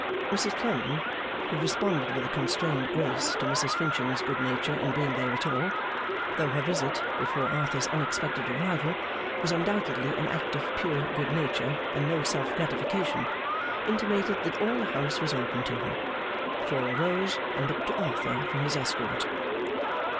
Mrs Clennam, who responded with a constrained grace to Mrs Finching's good nature in being there at all, though her visit (before Arthur's unexpected arrival) was undoubtedly an act of pure good nature and no self gratification, intimated that all the house was open to her. Flora rose and looked to Arthur for his escort.